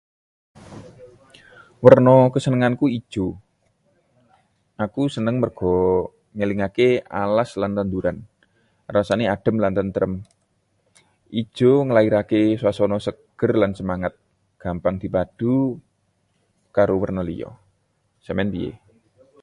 Werna kasenenganku ijo. Aku seneng merga ngelingake alas lan tanduran, rasaé adem lan tentrem. Ijo nglairaké swasana seger lan semangat, gampang dipadu karo werna liya. Sampeyan piyé?